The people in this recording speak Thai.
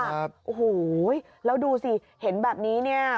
โอ้โหแล้วดูสิเห็นแบบนี้เนี่ย